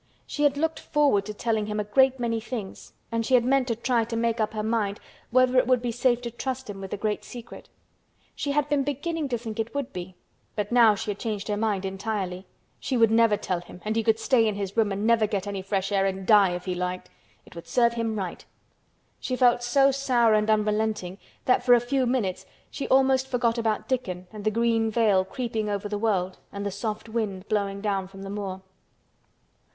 She had looked forward to telling him a great many things and she had meant to try to make up her mind whether it would be safe to trust him with the great secret. She had been beginning to think it would be, but now she had changed her mind entirely. She would never tell him and he could stay in his room and never get any fresh air and die if he liked! It would serve him right! She felt so sour and unrelenting that for a few minutes she almost forgot about Dickon and the green veil creeping over the world and the soft wind blowing down from the moor.